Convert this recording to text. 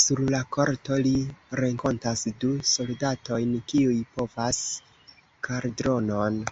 Sur la korto li renkontas du soldatojn, kiuj portas kaldronon.